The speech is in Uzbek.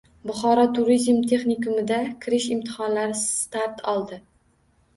Buxoro turizm texnikumida kirish imtihonlari start oldi